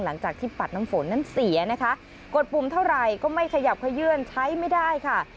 หลังจากที่ปัดน้ำฝนนั้นเสียนะคะกดปุ่มเท่าไหร่ก็ไม่ขยับขยื่นใช้ไม่ได้ค่ะ